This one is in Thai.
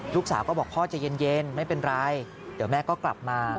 ลูกสาวก็บอกพ่อจะเย็นไม่เป็นไรเดี๋ยวแม่ก็กลับมา